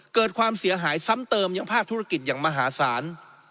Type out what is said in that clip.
เกิดความเสียหายซ้ำเติมยังภาคธุรกิจอย่างมหาศาล